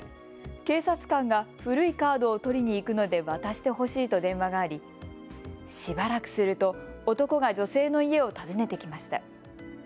警察官が古いカードを取りに行くので渡してほしいと電話があり、しばらくすると男が女性の家を訪ねてきました。